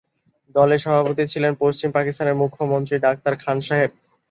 দলের সভাপতি ছিলেন পশ্চিম পাকিস্তানের মুখ্যমন্ত্রী ডাক্তার খান সাহেব।